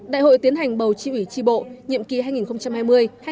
đại hội tiến hành bầu tri ủy tri bộ nhiệm kỳ hai nghìn hai mươi hai nghìn hai mươi năm